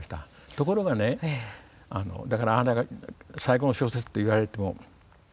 ところがねだからあなたが「最後の小説」って言われてもいいんですが。